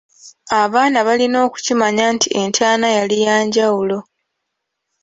Abaana balina okukimanya nti entaana yali ya njawulo.